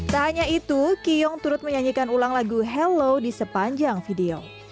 tak hanya itu kiong turut menyanyikan ulang lagu hello di sepanjang video